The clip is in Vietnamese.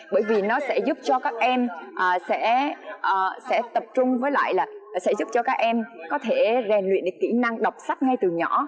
bởi vì nó sẽ giúp cho các em sẽ tập trung với lại là sẽ giúp cho các em có thể rèn luyện kỹ năng đọc sách ngay từ nhỏ